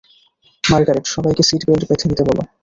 Margaret, সবাইকে seat belt বেঁধে নিতে বলো।